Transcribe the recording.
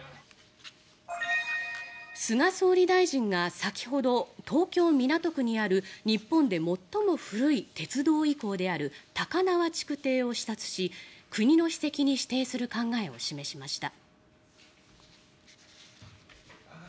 菅総理大臣が先ほど東京・港区にある日本で最も古い鉄道遺構である高輪築堤を視察し国の史跡に指定する考えを示しました。